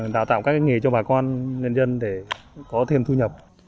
đào tạo các nghề cho bà con nhân dân để có thêm thu nhập